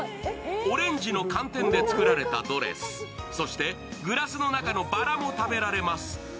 オレンジの寒天で作られたドレス、そしてグラスの中のばらも食べられます。